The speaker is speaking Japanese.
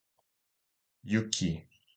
雪